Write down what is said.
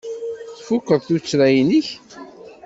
Tfukeḍ tuttra-nnek?